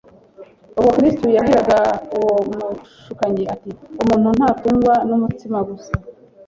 Ubwo Kristo yabwiraga uwo mushukanyi ati, “Umuntu ntatungwa n'umutsima gusa,